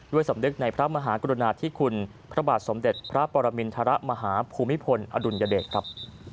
สำนึกในพระมหากรุณาธิคุณพระบาทสมเด็จพระปรมินทรมาหาภูมิพลอดุลยเดชครับ